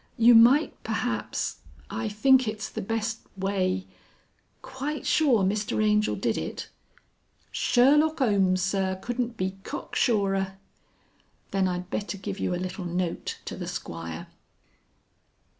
"You might perhaps ... I think it's the best way ... Quite sure Mr Angel did it?" "Sherlock 'Omes, Sir, couldn't be cocksurer." "Then I'd better give you a little note to the Squire."